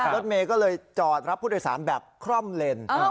รถเมย์ก็เลยจอดรับผู้โดยสารแบบคร่อมเลน